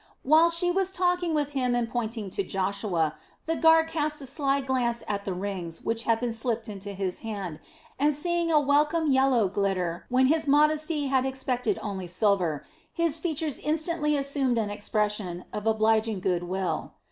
While she was talking with him and pointing to Joshua, the guard cast a sly glance at the rings which had been slipped into his hand, and seeing a welcome yellow glitter when his modesty had expected only silver, his features instantly assumed an expression of obliging good will.